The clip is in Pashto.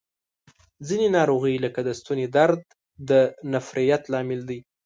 ځینې ناروغۍ لکه د ستوني درد د نفریت لامل دي.